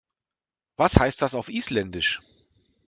Was heißt das auf Isländisch?